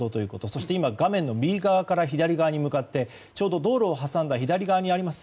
それから今、画面の右から左側に向かって、ちょうど道路を挟んだ左側にあります